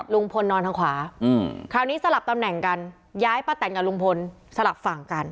ลุงพลนอนทางขวาคราวนี้สลับตำแหน่งกันย้ายป้าแตนกับลุงพลสลับฝั่งกัน